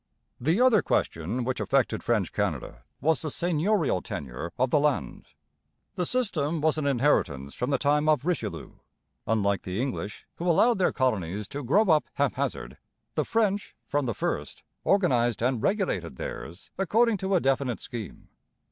The other question, which affected French Canada, was the seigneurial tenure of the land. The system was an inheritance from the time of Richelieu. Unlike the English, who allowed their colonies to grow up haphazard, the French, from the first, organized and regulated theirs according to a definite scheme.